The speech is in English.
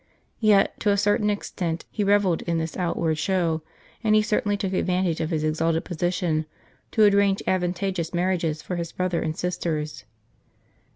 Yet to a certain extent he revelled in this out ward show, and he certainly took advantage of his exalted position to arrange advantageous marriages for his brother and sisters.